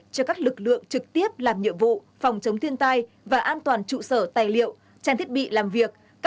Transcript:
cho các lực lượng trực tiếp làm nhiệm vụ phòng chống thiên tai và an toàn trụ sở tài liệu trang thiết bị làm việc